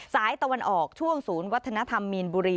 ตะวันออกช่วงศูนย์วัฒนธรรมมีนบุรี